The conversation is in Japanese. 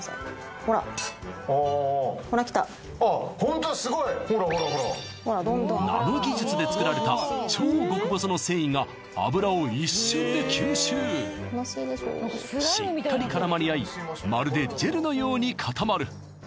ほらほらほらナノ技術で作られた超極細の繊維が油を一瞬で吸収しっかり絡まり合いまるでジェルのように固まる